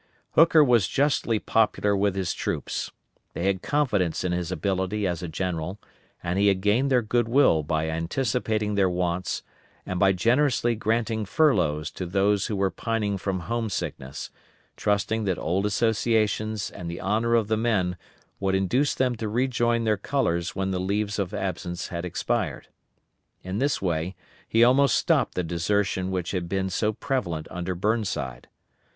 Hooker was justly popular with his troops. They had confidence in his ability as a general, and he had gained their good will by anticipating their wants, and by generously grating furloughs to those who were pining from home sickness; trusting that old associations and the honor of the men would induce them to rejoin their colors when the leaves of absence had expired. In this way he almost stopped the desertion which had been so prevalent under Burnside.